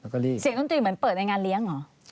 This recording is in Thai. เสียงดนตรีเหมือนเปิดในงานเลี้ยงเหรอ